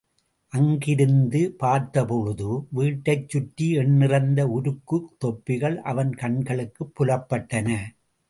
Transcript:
அங்கிருந்து பார்த்தபொழுது, வீட்டைச் சுற்றி எண்ணிறந்த உருக்குத் தொப்பிகள் அவன் கண்களுக்குப் புலப்பட்டன.